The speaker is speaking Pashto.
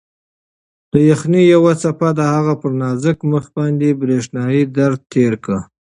د یخنۍ یوې څپې د هغې پر نازک مخ باندې برېښنايي درد تېر کړ.